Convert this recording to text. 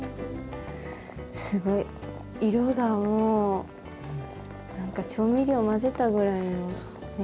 すごい！色がもう何か調味料混ぜたぐらいのね。